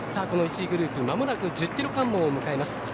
この１位グループ間もなく１０キロ関門を迎えます。